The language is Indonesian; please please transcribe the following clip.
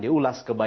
dan juga menang